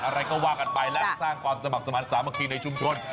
อะไรก็ว่ากันไปและสร้างความสมัครสมาธิสามัคคีในชุมชน